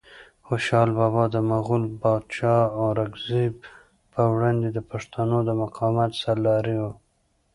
خوشحال بابا د مغول پادشاه اورنګزیب په وړاندې د پښتنو د مقاومت سرلاری و.